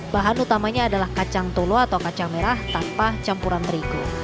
bahan utamanya adalah kacang tolo atau kacang merah tanpa campuran terigu